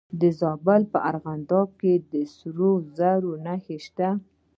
د زابل په ارغنداب کې د سرو زرو نښې شته.